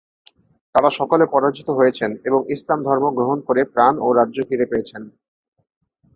তাঁরা সকলে পরাজিত হয়েছেন এবং ইসলাম ধর্ম গ্রহণ করে প্রাণ ও রাজ্য ফিরে পেয়েছেন।